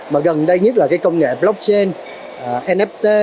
mà gần đây nhất là cái công nghệ blockchain nft